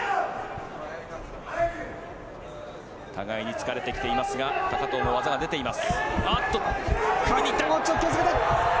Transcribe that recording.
互いに疲れてきていますが高藤も技が出ています。